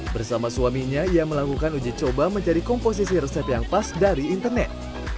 bersama suaminya ia melakukan uji coba mencari komposisi resep yang pas dari internet